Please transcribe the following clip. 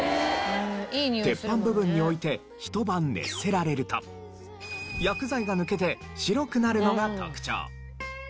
鉄板部分に置いてひと晩熱せられると薬剤が抜けて白くなるのが特徴。